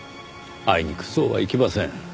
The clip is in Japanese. あいにくそうはいきません。